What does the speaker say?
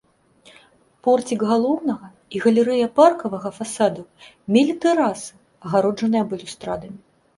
Порцік галоўнага і галерэя паркавага фасадаў мелі тэрасы, агароджаныя балюстрадамі.